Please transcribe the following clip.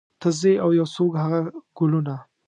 ته ځې او یو څوک هغه ګلونه